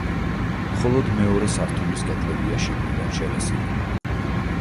მხოლოდ მეორე სართულის კედლებია შიგნიდან შელესილი.